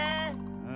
うん。